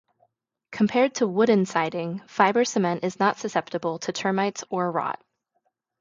Compared to wooden siding, fiber cement is not susceptible to termites or rot.